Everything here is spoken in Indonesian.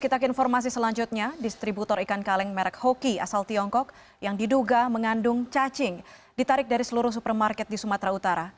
kita ke informasi selanjutnya distributor ikan kaleng merek hoki asal tiongkok yang diduga mengandung cacing ditarik dari seluruh supermarket di sumatera utara